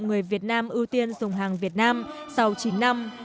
người việt nam ưu tiên dùng hàng việt nam sau chín năm